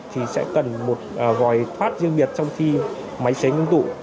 thì sẽ cần một vòi thoát riêng biệt trong khi máy xấy ngưng tụ